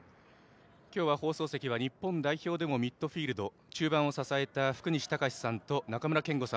今日は放送席は日本代表でもミッドフィールド中盤を支えた福西崇史さんと中村憲剛さん